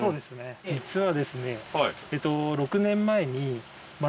実はですね。